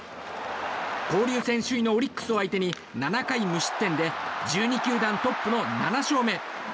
交流戦首位のオリックスを相手に７回無失点で１２球団トップの７勝目。